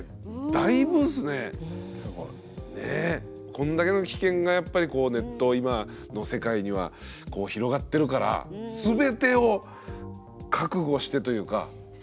こんだけの危険がやっぱりこうネット今の世界にはこう広がってるから全てを覚悟してというか。